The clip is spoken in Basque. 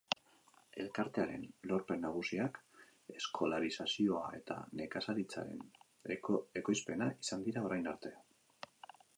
Elkartearen lorpen nagusiak eskolarizazioa eta nekazaritzaren ekoizpena izan dira orain arte.